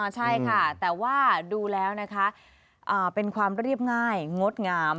ใช่ค่ะแต่ว่าดูแล้วนะคะเป็นความเรียบง่ายงดงาม